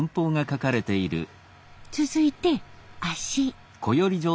続いて足。